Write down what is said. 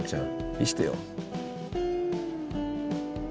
見してよ。